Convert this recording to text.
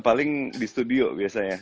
paling di studio biasanya